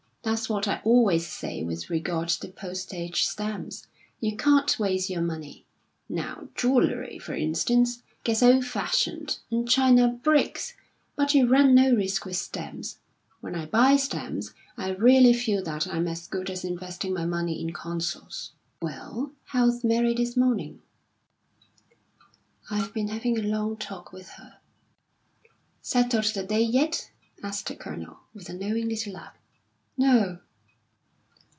That's what I always say with regard to postage stamps; you can't waste your money. Now jewellery, for instance, gets old fashioned, and china breaks; but you run no risk with stamps. When I buy stamps, I really feel that I'm as good as investing my money in consols." "Well, how's Mary this morning?" "I've been having a long talk with her." "Settled the day yet?" asked the Colonel, with a knowing little laugh. "No!"